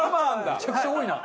めちゃくちゃ多いな。